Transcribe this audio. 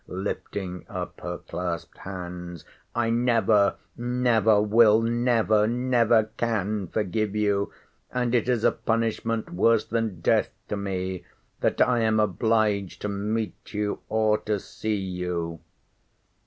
lifting up her clasped hands, I never never will, never, never can forgive you!—and it is a punishment worse than death to me, that I am obliged to meet you, or to see you.